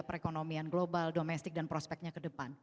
perekonomian global domestik dan prospeknya ke depan